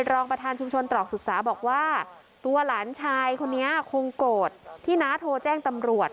รองประธานชุมชนตรอกศึกษาบอกว่าตัวหลานชายคนนี้คงโกรธที่น้าโทรแจ้งตำรวจ